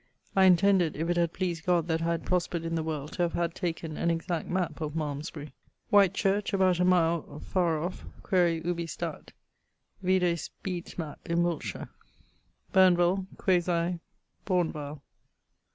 I intended if it had pleased God that I had prospered in the world to have had taken an exact map of Malmesbury.' 'Whitechurch, about a mile ferè off: quaere ubi stat?' 'Vide Speed's mappe in Wiltshire.' 'Burnevall, quasi Bournevall.'>